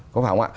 có phải không ạ